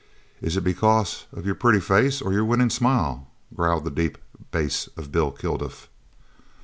"Is it because of your pretty face or your winnin' smile?" growled the deep bass of Bill Kilduff.